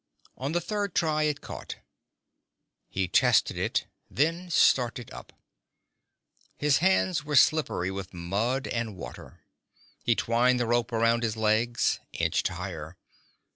On the third try it caught. He tested it, then started up. His hands were slippery with mud and water. He twined the rope around his legs, inched higher.